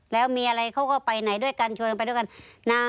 แล้วมีอะไรเขาก็ไปไหนด้วยกันชวนกันไปด้วยกันนะ